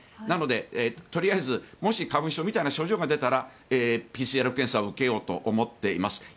なので、とりあえずもし花粉症みたいな症状が出たらＰＣＲ検査を受けようと思っています。